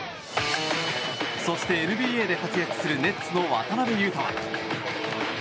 そして、ＮＢＡで活躍するネッツの渡邊雄太は。